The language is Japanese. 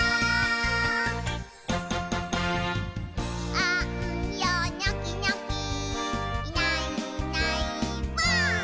「あんよニョキニョキいないいないばぁ！」